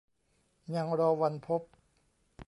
ยังรอวันพบ